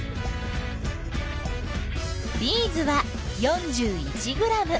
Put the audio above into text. ビーズは４１ｇ。